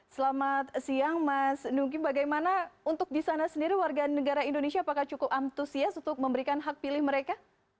selamat siang mas nugi bagaimana untuk di sana sendiri warga negara indonesia apakah cukup antusias untuk memberikan hak pilih mereka